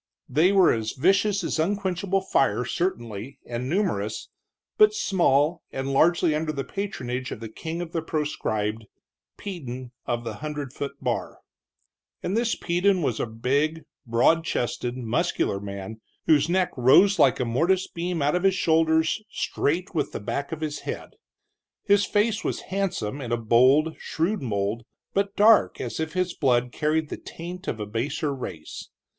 They were as vicious as unquenchable fire, certainly, and numerous, but small, and largely under the patronage of the king of the proscribed, Peden of the hundred foot bar. And this Peden was a big, broad chested, muscular man, whose neck rose like a mortised beam out of his shoulders, straight with the back of his head. His face was handsome in a bold, shrewd mold, but dark as if his blood carried the taint of a baser race.